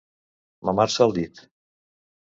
Mamar-se el dit.